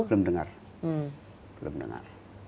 belum dengar nggak ada ya belum dengar